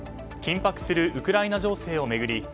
緊迫するウクライナ情勢を巡り